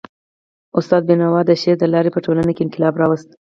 استاد بینوا د شعر د لاري په ټولنه کي انقلاب راوست.